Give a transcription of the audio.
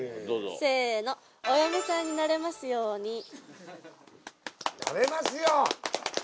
せーの「お嫁さんになれますように」なれますよ！